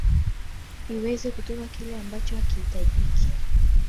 iweze kutoka kile ambacho hakihitajiki